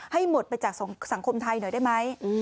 ให้หมดไปจากสังคมไทยหน่อยได้ไหม